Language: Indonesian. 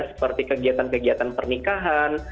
seperti kegiatan kegiatan pernikahan